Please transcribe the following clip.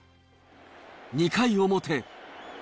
２回表。